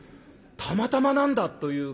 たまたまなんだという方とかね。